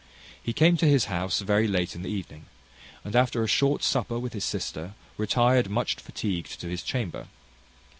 He came to his house very late in the evening, and after a short supper with his sister, retired much fatigued to his chamber.